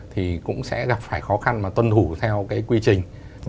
thì cũng sẽ gặp phải khó khăn mà tuân thủ theo cái quy trình